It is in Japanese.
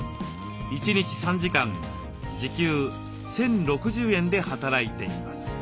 １日３時間時給１，０６０円で働いています。